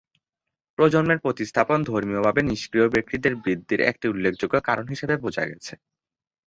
প্রজন্মের প্রতিস্থাপন ধর্মীয়ভাবে নিষ্ক্রিয় ব্যক্তিদের বৃদ্ধির একটি উল্লেখযোগ্য কারণ হিসাবে বোঝা গেছে।